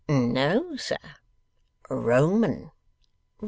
'No, sir. Roman.